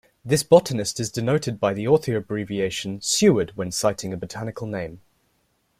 This botanist is denoted by the author abbreviation Seward when citing a botanical name.